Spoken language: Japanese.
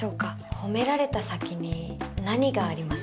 褒められた先に何がありますか？